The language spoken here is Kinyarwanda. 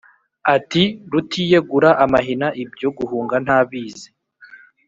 ati: rutiyegura amahina ibyo guhunga ntabizi!